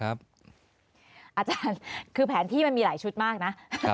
อาจารย์คือแผนที่มันมีหลายชุดมากนะ